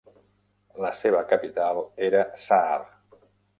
La seva capital era Sarh.